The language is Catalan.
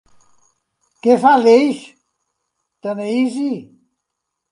Què fa l'eix, Ta-Nehisi?